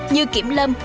như kiểm lâm